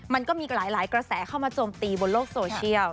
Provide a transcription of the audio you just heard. มันก็มีหลายกระแสเข้ามาโจมตีบนโลกโซเชียล